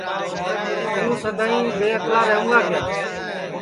توں سدائیں بے اکلا رہوں گا کیا